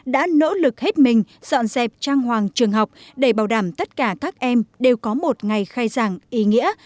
đã nỗ lực hết mình dọn dẹp trang hoàng trường học để bảo đảm tất cả các em đều có một ngày khai giảng ý nghĩa